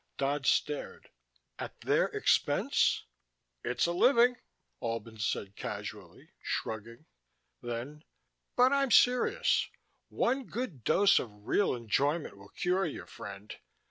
Dodd stared. "At their expense?" "It's a living," Albin said casually, shrugging. Then: "But I'm serious. One good dose of real enjoyment will cure you, friend.